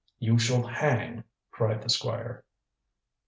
You shall hang," cried the Squire.